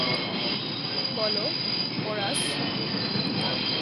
বল, porous.